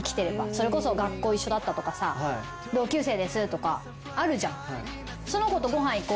それこそ学校一緒だったとかさ同級生ですとかあるじゃん。